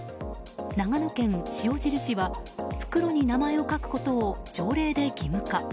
長野県塩尻市は袋に名前を書くことを条例で義務化。